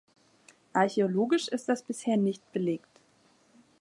Archäologisch ist das bisher nicht belegt.